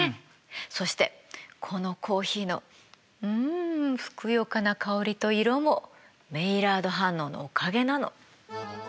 そしてこのコーヒーのうんふくよかな香りと色もメイラード反応のおかげなの。